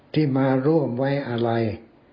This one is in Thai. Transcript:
ที่มาร่วมไว้อาลัย